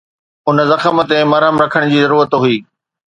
ان زخم تي مرهم رکڻ جي ضرورت هئي.